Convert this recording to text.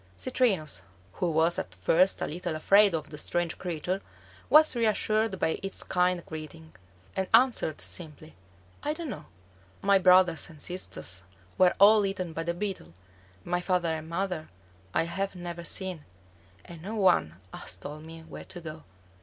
Citrinus, who was at first a little afraid of the strange creature, was reassured by its kind greeting, and answered simply, "I don't know. My brothers and sisters were all eaten by the Beetle; my father and mother I have never seen; and no one has told me where to go."